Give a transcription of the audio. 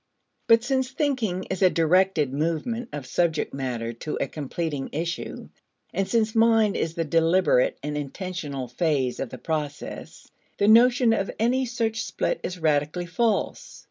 But since thinking is a directed movement of subject matter to a completing issue, and since mind is the deliberate and intentional phase of the process, the notion of any such split is radically false.